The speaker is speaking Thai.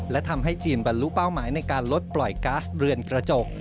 และทำให้จีนบรรลุเป้าหมายในการลดปล่อยก๊าซเรือนกระจก